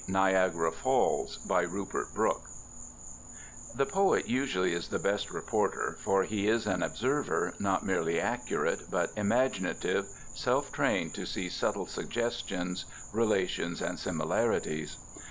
NIAGARA FALLS By RUPERT BROOKE The poet usually is the best reporter, for he is an observer not merely accurate but imaginative, self trained to see subtle suggestions, relations and similarities.